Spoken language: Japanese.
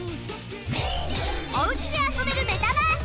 お家で遊べるメタバース